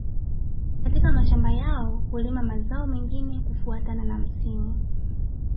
Katika mashamba yao hulima mazao mengine kufuatana na msimu